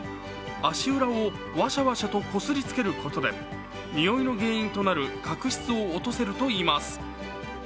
足裏をワシャワシャとこすりつけることで、においの原因となる角質を落とせるといいます。